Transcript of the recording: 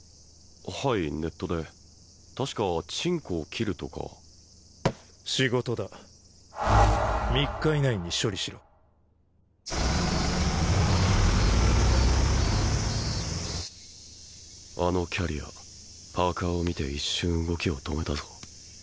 はいネットで確かチンコを切るとか仕事だ３日以内に処理しろあのキャリアパーカーを見て一瞬動きを止めたぞ